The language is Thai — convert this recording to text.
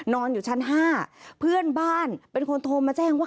อยู่ชั้น๕เพื่อนบ้านเป็นคนโทรมาแจ้งว่า